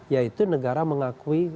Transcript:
yaitu negara mengakui